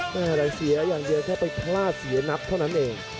อะไรเสียอย่างเดียวแค่ไปพลาดเสียนับเท่านั้นเอง